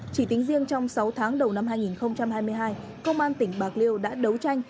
chỉ tính riêng trong sáu tháng đầu năm hai nghìn hai mươi hai công an tỉnh bạc liêu đã đấu tranh